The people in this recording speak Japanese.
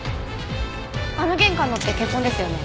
あの玄関のって血痕ですよね。